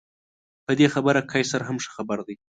په دې خبره قیصر هم ښه خبر دی.